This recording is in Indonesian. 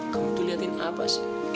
kamu tuh liatin apa sih